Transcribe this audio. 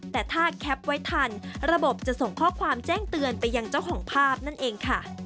แต่ถ้าแคปไว้ทันระบบจะส่งข้อความแจ้งเตือนไปยังเจ้าของภาพนั่นเองค่ะ